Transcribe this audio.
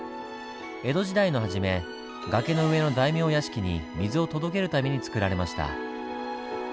江戸時代の初め崖の上の大名屋敷に水を届けるためにつくられました。